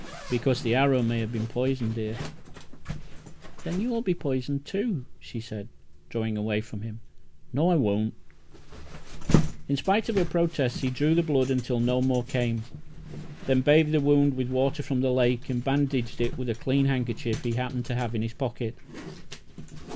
"Because the arrow may have been poisoned, dear." "Then you'll be poisoned, too," she said, drawing away from him. "No, I won't." In spite of her protests, he drew the blood until no more came, then bathed the wound with water from the lake, and bandaged it with a clean handkerchief he happened to have in his pocket.